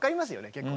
結構。